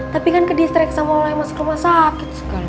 tapi kan ke distrik sama olo yang masuk rumah sakit sekali